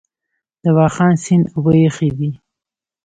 د واخان سیند اوبه یخې دي؟